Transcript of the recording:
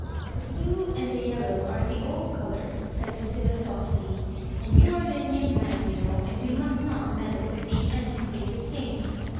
The blue and the yellow are the old ctriours," said Lucilla, thoughtfully, *^ and you are the new man, you know, and we mus^ not meddle with these antiquated things.